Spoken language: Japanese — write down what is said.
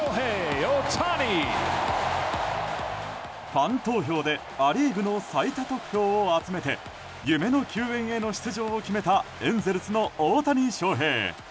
ファン投票でア・リーグの最多投票を集めて夢の球宴への出場を決めたエンゼルスの大谷翔平。